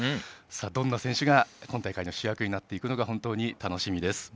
どんな選手が今大会の主役になるのか楽しみです。